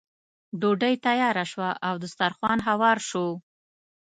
ډوډۍ تیاره شوه او دسترخوان هوار شو.